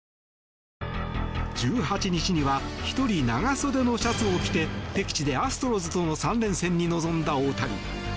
１８日には１人、長袖のシャツを着て敵地でアストロズとの３連戦に臨んだ大谷。